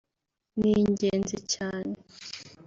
ni ingenzi cyane